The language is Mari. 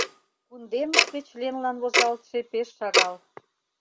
Кундемыште членлан возалтше пеш шагал.